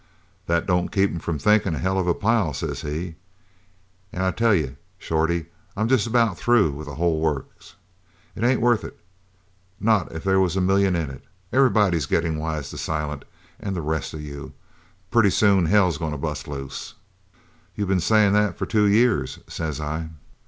"'That don't keep 'em from thinkin' a hell of a pile,' says he, 'an' I tell you, Shorty, I'm jest about through with the whole works. It ain't worth it not if there was a million in it. Everybody is gettin' wise to Silent, an' the rest of you. Pretty soon hell's goin' to bust loose.' "'You've been sayin' that for two years,' says I.